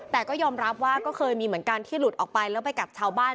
แต่ก็ยอมรับว่าก็เคยมีเหมือนกันที่หลุดออกไปแล้วไปกัดชาวบ้าน